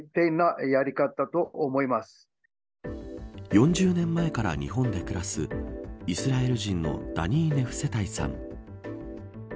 ４０年前から日本で暮らすイスラエル人のダニー・ネフセタイさん